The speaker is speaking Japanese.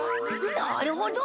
なるほど。